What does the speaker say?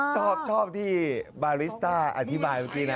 ชอบที่บาริสต้าอธิบายเมื่อกี้นะ